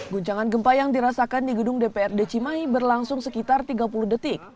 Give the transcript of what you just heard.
guncangan gempa yang dirasakan di gedung dprd cimahi berlangsung sekitar tiga puluh detik